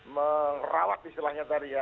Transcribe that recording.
merawat istilahnya tadi ya